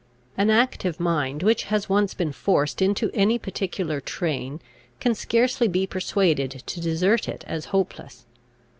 An active mind, which has once been forced into any particular train, can scarcely be persuaded to desert it as hopeless.